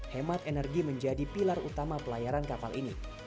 hemat energi menjadi pilar utama pelayaran kapal ini